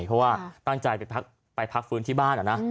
เพราะว่าตั้งใจไปพักฟื้นที่บ้านนะ